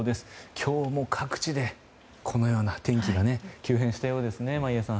今日も各地でこのような天気が急変したようですね、眞家さん。